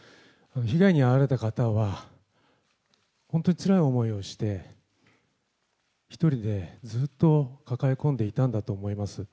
被害に遭われた方は、本当につらい思いをして、一人でずっと抱え込んでいたんだと思います。